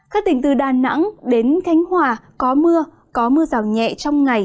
các tỉnh từ đà nẵng đến thanh hóa có mưa có mưa rào nhẹ trong ngày